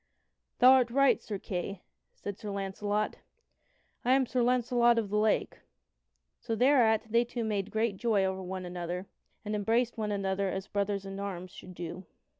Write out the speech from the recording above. "Thou art right, Sir Kay," said Sir Launcelot, "and I am Sir Launcelot of the Lake." So thereat they two made great joy over one another, and embraced one another as brothers in arms should do.